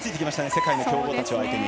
世界の強豪たちを相手に。